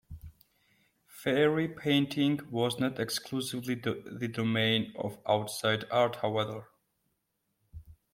Fairy painting was not exclusively the domain of outside art, however.